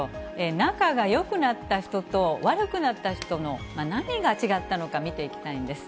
仲がよくなった人と、悪くなった人の何が違ったのか見ていきたいんです。